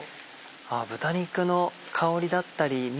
あ豚肉の香りだったりみ